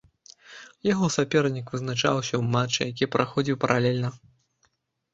Яго сапернік вызначаўся ў матчы, які праходзіў паралельна.